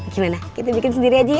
gimana kita bikin sendiri aja ya